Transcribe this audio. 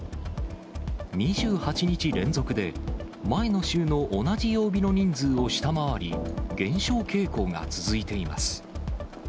２８日連続で、前の週の同じ曜日の人数を下回り、減少傾向が続いています。